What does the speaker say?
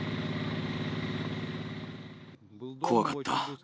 怖かった。